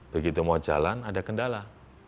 begitu mau jalan ada kendala